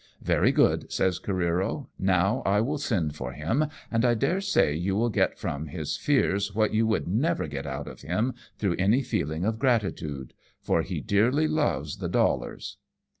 " Very good," says Careero ;" now I will send for him, and I daresay you will get from his fears what you would never get out of him through any feeling of gratitude, for he dearly loves the dollars."